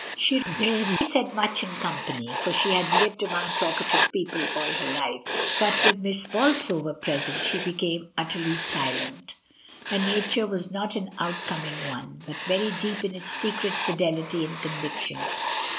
She rarely said much in company, for she had lived among talkative people all her life, but with 254 ''*^' I>YMOND. Miss Bolsover present she became utterly silent Her nature was not an outcoming one, but very deep in its secret fidelity and conviction.